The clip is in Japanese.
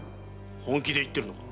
本気で言ってるのか？